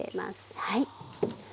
はい。